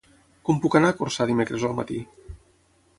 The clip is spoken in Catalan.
Com puc anar a Corçà dimecres al matí?